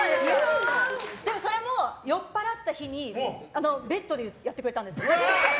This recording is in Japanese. それも、酔っぱらった日にベッドでやってくれたんです。